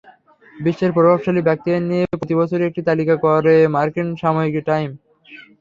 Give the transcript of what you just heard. বিশ্বের প্রভাবশালী ব্যক্তিদের নিয়ে প্রতিবছরই একটি তালিকা প্রকাশ করে মার্কিন সাময়িকী টাইম।